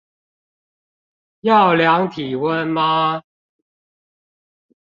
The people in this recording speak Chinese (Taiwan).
要量體溫嗎